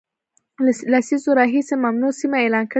له لسیزو راهیسي ممنوع سیمه اعلان کړې ده